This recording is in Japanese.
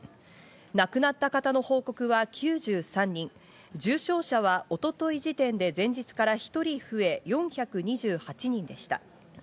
亡くなった方の報告は９３人、重症者は一昨日時点で前日から１人増え４２８人でした。